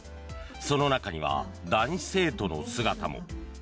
その中には男子生徒の姿も。